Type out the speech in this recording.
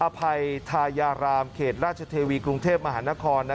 ภัยทายารามเขตราชเทวีกรุงเทพมหานคร